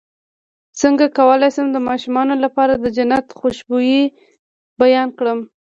څنګه کولی شم د ماشومانو لپاره د جنت خوشبو بیان کړم